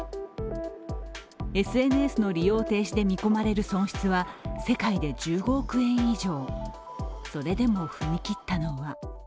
ＳＮＳの利用停止で見込まれる損失は世界で１５億円以上。